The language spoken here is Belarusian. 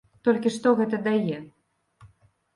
Толькі што гэта дае?